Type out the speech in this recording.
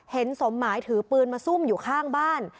สมหมายถือปืนมาซุ่มอยู่ข้างบ้าน